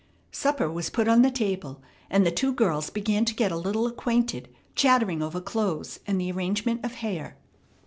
Supper was put on the table, and the two girls began to get a little acquainted, chattering over clothes and the arrangement of hair.